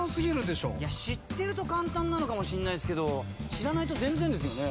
知ってると簡単なのかもしんないっすけど知らないと全然ですよね。